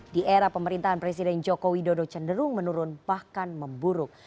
di era pemerintahan presiden joko widodo cenderung menurun bahkan memburuk